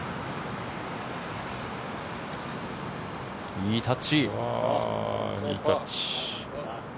いいタッチ。